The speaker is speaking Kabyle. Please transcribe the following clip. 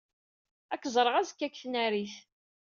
Ad k-ẓreɣ azekka deg tnarit.